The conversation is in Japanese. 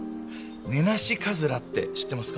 ネナシカズラって知ってますか？